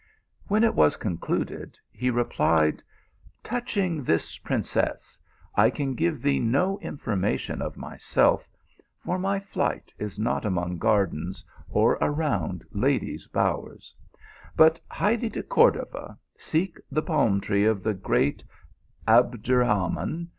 When it was concluded, he replied, "Touching this princess, I can give thee no information of myself, for my flight is not among gardens or around ladies bowers ; but hie thee to Cordova, seek the palm tree of the great Abderahman.